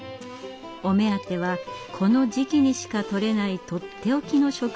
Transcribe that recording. お目当てはこの時期にしか取れないとっておきの食材。